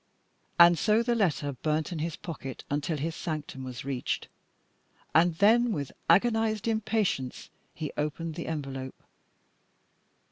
And so the letter burnt in his pocket until his sanctum was reached, and then with agonised impatience he opened the envelope.